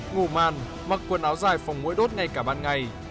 ngủ màn mặc quần áo dài phòng mũi đốt ngay cả ban ngày